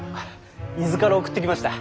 伊豆から送ってきました。